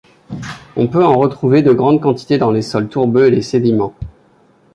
On peut en retrouver de grandes quantité dans les sols tourbeux et les sédiments.